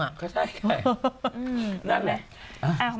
ใช่นั่นแหละ